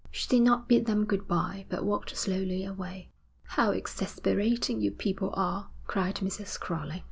She did not bid them good bye, but walked slowly away. 'How exasperating you people are!' cried Mrs. Crowley.